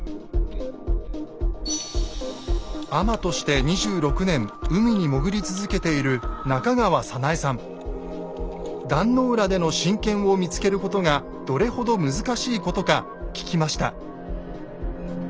海女として２６年海に潜り続けている壇の浦での神剣を見つけることがどれほど難しいことか聞きました。